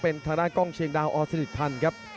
เป็นทางด้านกล้องเชียงดาวอสิริพันธ์ครับ